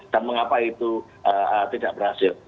dan mengapa itu tidak berhasil